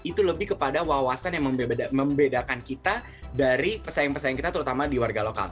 itu lebih kepada wawasan yang membedakan kita dari pesaing pesaing kita terutama di warga lokal